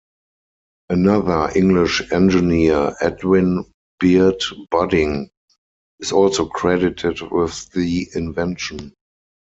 Another English engineer, Edwin Beard Budding, is also credited with the invention.